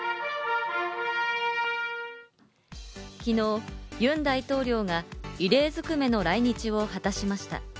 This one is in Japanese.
昨日、ユン大統領が異例ずくめの来日を果たしました。